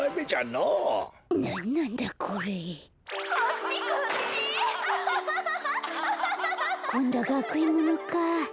こんどはがくえんものか。